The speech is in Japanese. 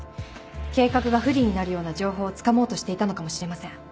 計画が不利になるような情報をつかもうとしていたのかもしれません。